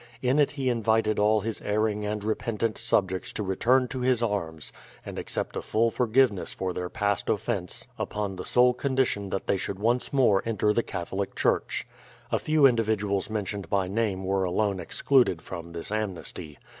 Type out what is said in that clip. In it he invited all his erring and repentant subjects to return to his arms, and accept a full forgiveness for their past offense upon the sole condition that they should once more enter the Catholic Church. A few individuals mentioned by name were alone excluded from this amnesty.